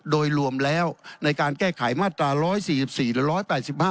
โดยรวมแล้วในการแก้ไขมาตรา๑๔๔หรือ๑๘๕